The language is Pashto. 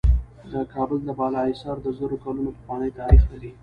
د کابل د بالا حصار د زرو کلونو پخوانی تاریخ لري